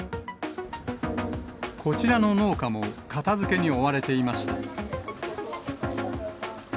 こちらの農家も、片づけに追われていました。